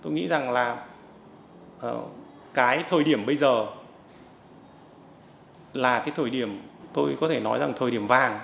tôi nghĩ rằng là cái thời điểm bây giờ là cái thời điểm tôi có thể nói rằng thời điểm vàng